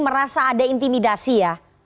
merasa ada intimidasi ya